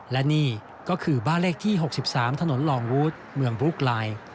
และนี่ก็คือบ้านเลขที่๖๓ถนนลองวูดเมืองบลุกลาย